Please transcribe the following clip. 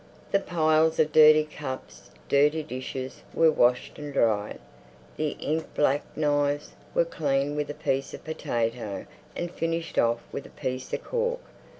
The piles of dirty cups, dirty dishes, were washed and dried. The ink black knives were cleaned with a piece of potato and finished off with a piece of cork.